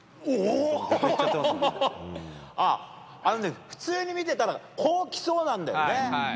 あっ、あのね、普通に見てたら、こう来そうなんだよね。